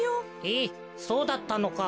えっそうだったのか。